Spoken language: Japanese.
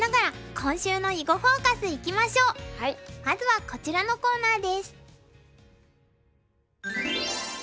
まずはこちらのコーナーです。